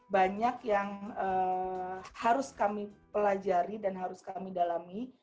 banyak yang harus kami pelajari dan harus kami dalami